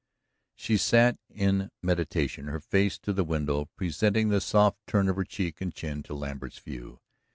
She sat in meditation, her face to the window, presenting the soft turn of her cheek and chin to Lambert's view.